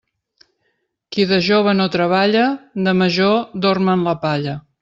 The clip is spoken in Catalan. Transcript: Qui de jove no treballa, de major dorm en la palla.